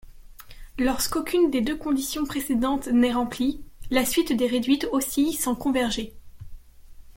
Lorsqu'aucune des deux conditions précédentes n'est remplie, la suite des réduites oscille sans converger.